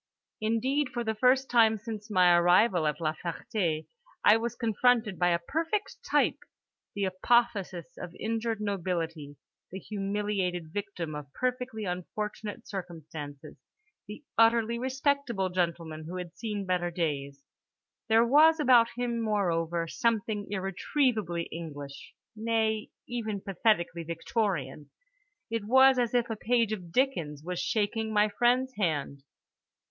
Indeed for the first time since my arrival at La Ferté I was confronted by a perfect type: the apotheosis of injured nobility, the humiliated victim of perfectly unfortunate circumstances, the utterly respectable gentleman who had seen better days. There was about him, moreover, something irretrievably English, nay even pathetically Victorian—it was as if a page of Dickens was shaking my friend's hand.